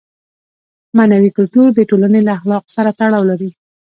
معنوي کلتور د ټولنې له اخلاقو سره تړاو لري.